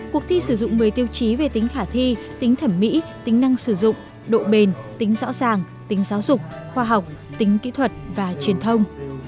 cuộc thi sử dụng một mươi tiêu chí về tính khả thi tính thẩm mỹ tính năng sử dụng độ bền tính rõ ràng tính giáo dục khoa học tính kỹ thuật và truyền thông